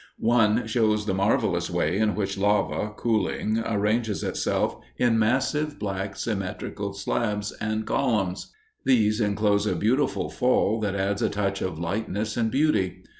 One shows the marvelous way in which lava, cooling, arranges itself in massive, black, symmetric slabs and columns; these enclose a beautiful fall that adds a touch of lightness and beauty.